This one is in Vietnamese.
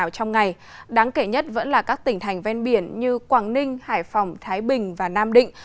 các kể nhất vẫn là các tỉnh thành ven biển như quảng ninh hải phòng thái bình và nam định